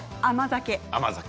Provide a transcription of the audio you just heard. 甘酒。